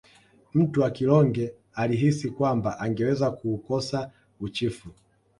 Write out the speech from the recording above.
Mtwa kilonge alihisi kwamba angeweza kuukosa uchifu